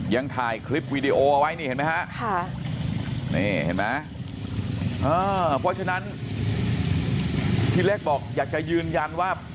ยังถ่ายคลิปวีดีโอเอาไว้นี่เห็นไหมฮะนี่เห็นไหมเพราะฉะนั้นพี่เล็กบอกอยากจะยืนยันว่า